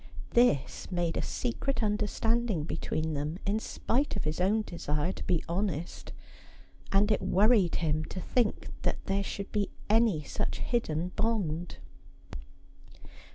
This made a secret understanding between them in spite of his own desire to be honest ; and it worried him to think that there should be any such hidden bond.